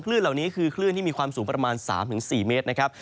เหล่านี้คือคลื่นที่มีความสูงประมาณ๓๔เมตรนะครับ